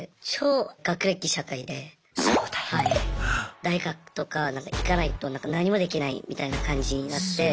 大学とか行かないと何もできないみたいな感じになって。